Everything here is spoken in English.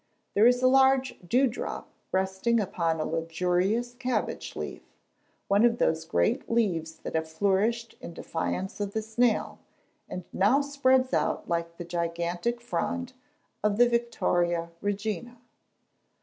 There is a large dew drop resting upon a luxuriant cabbage leaf one of those great leaves that have flourished in defiance of the snail, and now spreads out like the gigantic frond of the Victoria Regina.